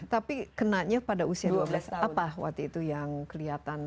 tapi kenanya pada usia dua belas apa waktu itu yang kelihatan